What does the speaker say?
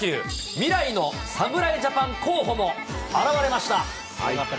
未来の侍ジャパン候補も現れました。